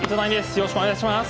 よろしくお願いします。